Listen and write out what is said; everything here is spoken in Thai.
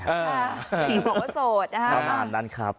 ถึงผมก็โสดนะครับ